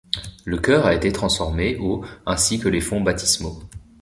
Le chœur a été transformé au ainsi que les fonts baptismaux.